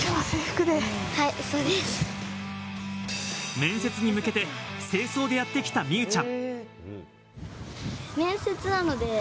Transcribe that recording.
面接に向けて、正装でやってきた美羽ちゃん。